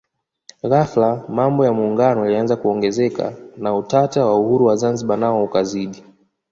Ghafla mambo ya Muungano yalianza kuongezeka na utata wa uhuru wa Zanzibar nao ukazidi